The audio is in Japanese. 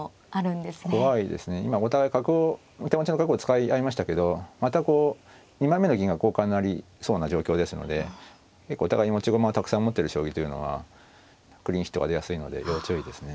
今お互い手持ちの角を使い合いましたけどまたこう２枚目の銀が交換になりそうな状況ですので結構お互いに持ち駒たくさん持ってる将棋というのはクリンチとか出やすいので要注意ですね。